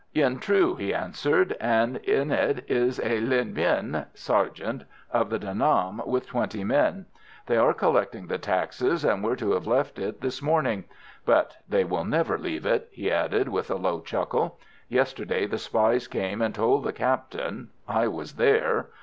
"Yen Trieu," he answered; "and in it is a linh binh (sergeant) of the De Nam with twenty men. They are collecting the taxes, and were to have left it this morning. But they will never leave it," he added, with a low chuckle. "Yesterday the spies came and told the Captain. I was there.